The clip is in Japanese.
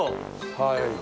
はい。